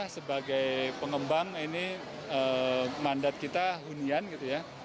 sebagai pengembang ini mandat kita hunian gitu ya